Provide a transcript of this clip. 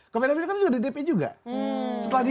ke vendor ini kan juga ada dp juga